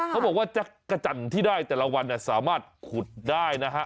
เขาบอกว่าจักรจันทร์ที่ได้แต่ละวันสามารถขุดได้นะฮะ